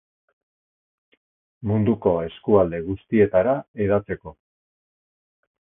Munduko eskualde guztietara hedatzeko.